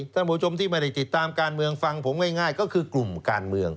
ท่านผู้ชมที่ไม่ได้ติดตามการเมืองฟังผมง่ายก็คือกลุ่มการเมือง